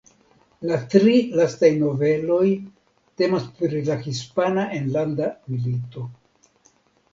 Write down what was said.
La tri lastaj noveloj temas pri la Hispana Enlanda Milito.